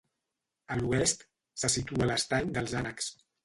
A l'oest se situa l'estany dels ànecs.